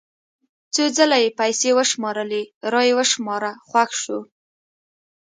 څو ځله یې پیسې وشمارلې را یې وشماره خوښ شو.